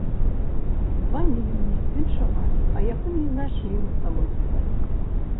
Званілі мне, віншавалі, а яго не знайшлі на самой справе.